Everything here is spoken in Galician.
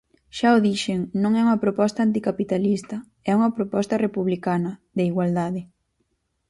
Xa o dixen, non é unha proposta anticapitalista, é unha proposta republicana, de igualdade.